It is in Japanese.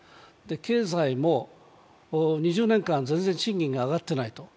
経済も２０年間全然賃金が上がっていないと。